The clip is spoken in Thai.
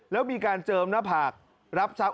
แล้วมีการเจิมหน้าผากรับทรัพย